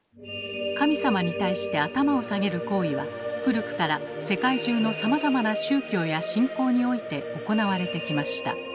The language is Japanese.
「神様に対して頭を下げる行為」は古くから世界中のさまざまな宗教や信仰において行われてきました。